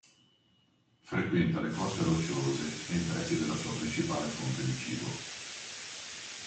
Frequenta le coste rocciose, nei pressi della sua principale fonte di cibo.